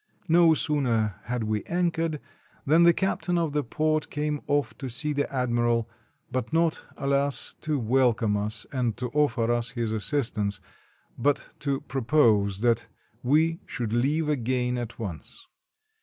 No sooner had we anchored than the captain of the port came off to see the admiral, but not — alas !— to welcome us and to offer us his assistance, but to propose that we should leave again at once.